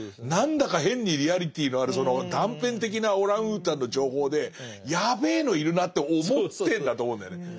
何だか変にリアリティーのあるその断片的なオランウータンの情報でやべえのいるなって思ってんだと思うんだよね。